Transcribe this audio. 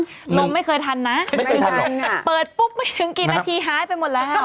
ลงไม่เคยทันนะเปิดปุ๊บกี่นาทีหายไปหมดแล้วครับไม่เคยทัน